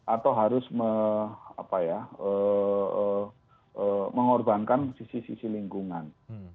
atau harus mengorbankan sisi sisi lingkungan